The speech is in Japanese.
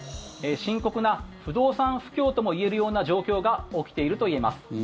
深刻な不動産不況ともいえるような状況が起きていると言えます。